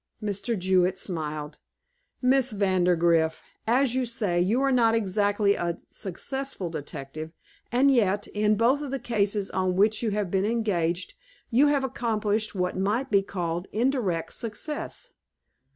Mr. Jewett smiled, "Miss Vandergrift, as you say, you are not exactly a successful detective, and yet, in both of the cases on which you have been engaged you have accomplished what might be called indirect success.